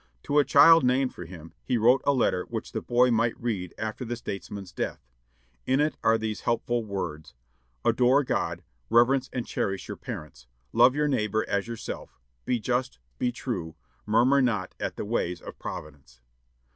To a child named for him, he wrote a letter which the boy might read after the statesman's death. In it are these helpful words: "Adore God. Reverence and cherish your parents. Love your neighbor as yourself. Be just. Be true. Murmur not at the ways of Providence."